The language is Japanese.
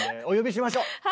お呼びしましょう。